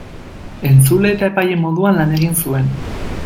Entzule eta epaile moduan lan egin zuen.